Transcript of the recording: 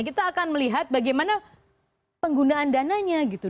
kita akan melihat bagaimana penggunaan dananya gitu